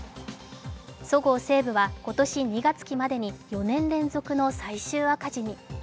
そごう・西武は今年２月期までに４年連続の最終赤字に。